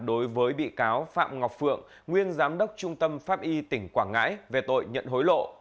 đối với bị cáo phạm ngọc phượng nguyên giám đốc trung tâm pháp y tỉnh quảng ngãi về tội nhận hối lộ